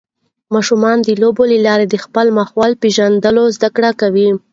ماشومان د لوبو له لارې د خپل ماحول پېژندنه زده کوي.